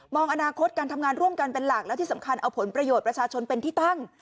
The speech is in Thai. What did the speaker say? อนาคตการทำงานร่วมกันเป็นหลักและที่สำคัญเอาผลประโยชน์ประชาชนเป็นที่ตั้ง